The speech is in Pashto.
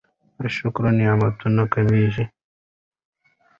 ناشکري نعمتونه کموي.